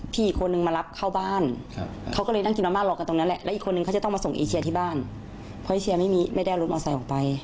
เพราะไอเชียไม่มีไม่ได้รุ่นมาใส่ออกไป